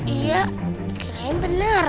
iya kirain bener